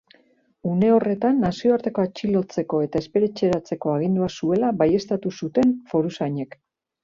Une horretan nazioarteko atxilotzeko eta espetxeratzeko agindua zuela baieztatu zuten foruzainek.